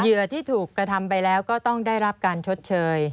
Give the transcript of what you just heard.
ที่ถูกกระทำไปแล้วก็ต้องได้รับการชดเชย